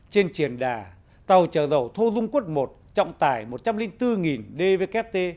trên triển đà tàu trở dầu thô dung quốc i trọng tải một trăm linh bốn dvkt